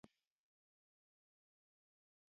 Sirkal okaw atua